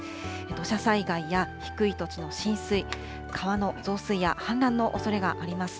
土砂災害や低い土地の浸水、川の増水や氾濫のおそれがあります。